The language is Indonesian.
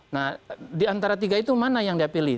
nah di antara tiga itu mana yang dia pilih